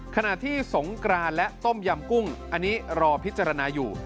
ขณะที่สงกรานและต้มยำกุ้งอันนี้รอพิจารณาอยู่